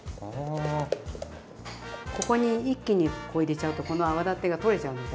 ここに一気にここ入れちゃうとこの泡立てが取れちゃうので。